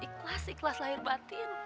ikhlas ikhlas lahir batin